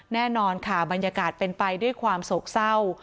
แน่นอนค่ะบรรยากาศเป็นไปด้วยความโศกเศร้า